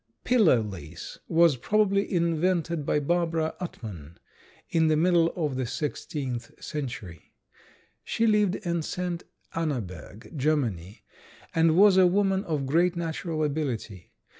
Pillow lace was probably invented by Barbara Uttmann, in the middle of the sixteenth century. She lived in St. Annaberg, Germany, and was a woman of great natural ability.